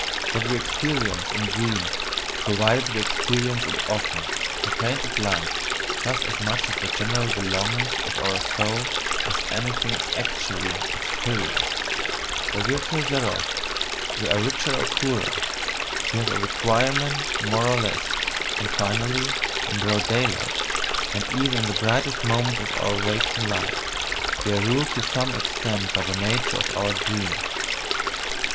What we experience in dreams, provided we experience it often, pertains at last just as much to the general belongings of our soul as anything "actually" experienced; by virtue thereof we are richer or poorer, we have a requirement more or less, and finally, in broad daylight, and even in the brightest moments of our waking life, we are ruled to some extent by the nature of our dreams.